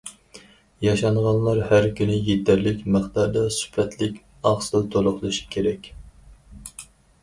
ياشانغانلار ھەر كۈنى يېتەرلىك مىقداردا سۈپەتلىك ئاقسىل تولۇقلىشى كېرەك.